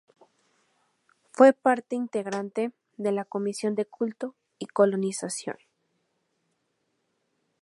Fue parte integrante de la comisión de Culto y Colonización.